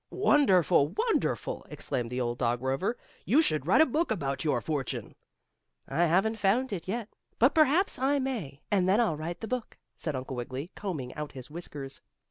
"Wonderful! Wonderful!" exclaimed the old dog Rover. "You should write a book about your fortune." "I haven't found it yet, but perhaps I may, and then I'll write the book," said Uncle Wiggily, combing out his whiskers.